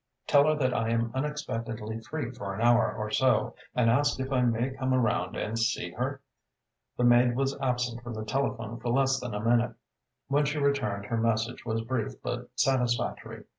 "Tell her that I am unexpectedly free for an hour or so, and ask if I may come around and see her?" The maid was absent from the telephone for less than a minute. When she returned, her message was brief but satisfactory.